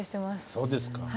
そうですか。